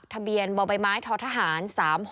ทะเบียนบ่อใบไม้ท้อทหาร๓๖